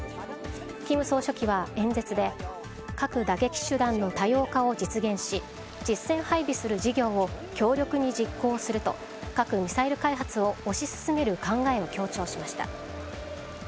金総書記は演説で核打撃手段の多様化を実現し実戦配備する事業を強力に実行すると核・ミサイル開発を推し進める考えを強調しました。